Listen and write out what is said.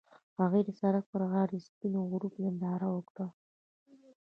هغوی د سړک پر غاړه د سپین غروب ننداره وکړه.